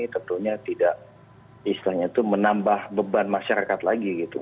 tentunya tidak bisa menambah beban masyarakat lagi